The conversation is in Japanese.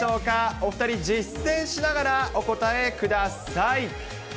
お２人、実践しながらお答えください。